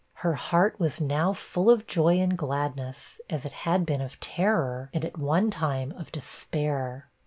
Her heart was now full of joy and gladness, as it had been of terror, and at one time of despair.